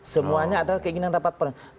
semuanya adalah keinginan rapat